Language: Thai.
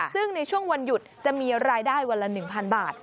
ซึ่งในช่วงวันหยุดจะมีรายได้วันละ๑๐๐๐บาท